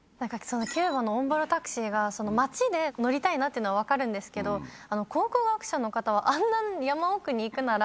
キューバのおんぼろタクシーが。っていうのは分かるんですけど考古学者の方はあんな山奥に行くなら。